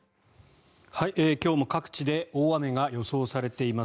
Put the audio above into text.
今日も各地で大雨が予想されています。